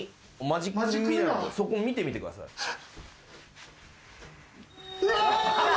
そこ見てみてください。